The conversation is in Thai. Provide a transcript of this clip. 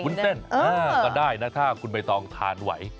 เต้นก็ได้นะถ้าคุณใบตองทานไหว